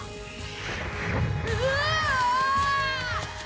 「うわ！？」